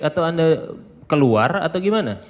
atau anda keluar atau gimana